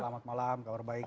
selamat malam kabar baik